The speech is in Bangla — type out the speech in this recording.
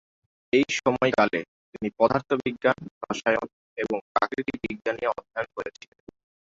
এই সময়কালে, তিনি পদার্থবিজ্ঞান, রসায়ন, এবং প্রাকৃতিক বিজ্ঞান নিয়ে অধ্যয়ন করেছিলেন।